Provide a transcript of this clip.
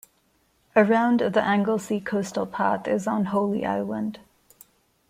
Around of the Anglesey Coastal Path is on Holy Island.